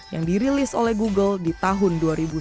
yang dirilis oleh google di tahun dua ribu sembilan belas